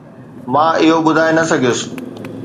مان اهو ٻڌائي نه سگهيس